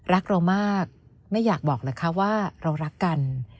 รักเรามากไม่อยากบอกนะคะว่าเรารักกัน